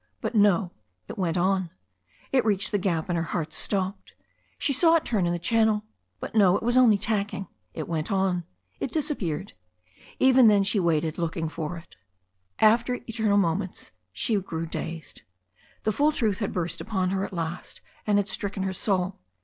But no, it went on. It reached the gap, and her heart stopped. She saw it turn in the channel. But no, it was only tacking. THE STORY OF A NEW ZEALAND RIVER 239 It went on. It disappeared. Even then she waited, looking for it. After eternal moments she grew dazed. The full truth had burst upon her at last and had stricken her soul.